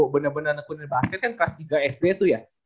bener bener nekunin basket kan kelas tiga sd tuh ya